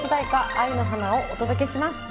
「愛の花」をお届けします。